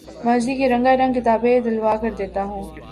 مرضی کی رنگار نگ کتابیں دلوا کر دیتا ہوں